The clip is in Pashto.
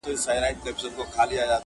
تر منګوټي لاندي به سپیني اوږې وځلېدې-